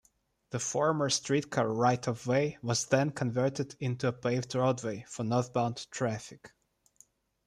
The former streetcar right-of-way was then converted into a paved roadway for northbound traffic.